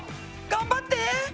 頑張って！